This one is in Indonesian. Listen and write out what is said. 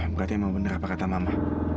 berarti emang bener apa kata mama